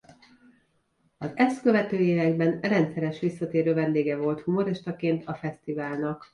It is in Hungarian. Azt ezt követő években rendszeres visszatérő vendége volt humoristaként a fesztiválnak.